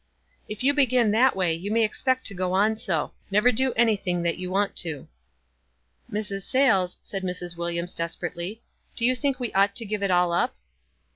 "If you begin that way you may expect to go on so. Never do anything that }^ou want to." "Mrs. Sayies," said Mrs. Williams, desper ately, "do you think we ought to give it all up?"